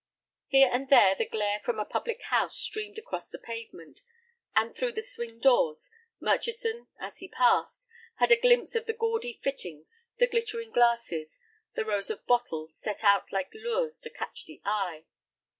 Here and there the glare from a public house streamed across the pavement, and through the swing doors, Murchison, as he passed, had a glimpse of the gaudy fittings, the glittering glasses, the rows of bottles set out like lures to catch the eye.